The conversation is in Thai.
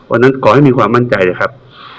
วันนั้นกล่อให้มีความมั่นใจเลยครับ